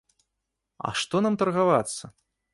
А што нам таргавацца?